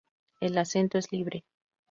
El acento es libre.